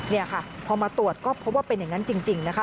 นี่ค่ะพอมาตรวจก็พบว่าเป็นอย่างนั้นจริงนะคะ